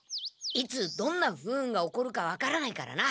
いつどんな不運が起こるか分からないからな。